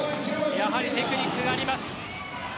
やはりテクニックがあります。